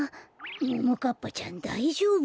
ももかっぱちゃんだいじょうぶ？